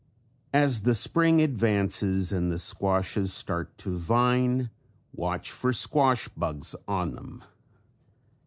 As the spring advances and the squashes start to vine watch for squash bugs on them.